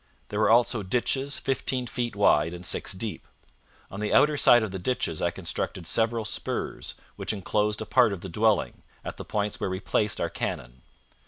There were also ditches, fifteen feet wide and six deep. On the outer side of the ditches I constructed several spurs, which enclosed a part of the dwelling, at the points where we placed our cannon.